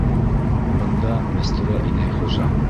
Бында Мәстүрә инәй хужа!